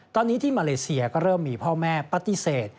ตอนนี้ที่มาเลเซียก็เริ่มมีพ่อแม่ปฏิเสธ